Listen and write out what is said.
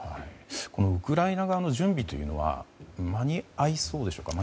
このウクライナ側の準備は間に合いそうでしょうか？